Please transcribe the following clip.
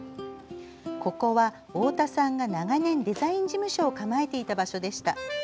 ここは、太田さんが長年デザイン事務所を構えていた場所でした。